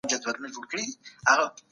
د کیمیاوي سرې پر ځای طبیعي سرې وکاروئ.